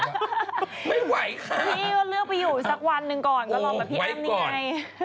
ไม่ไหวค่ะพี่ก็เลือกไปอยู่สักวันหนึ่งก่อนก็ลองแบบพี่อ้ำนี่ไง